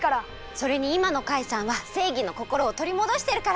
それにいまのカイさんはせいぎのこころをとりもどしてるから！